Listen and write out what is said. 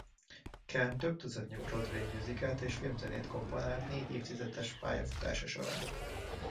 Kern több tucatnyi Broadway musicalt és filmzenét komponált négy évtizedes pályafutása során.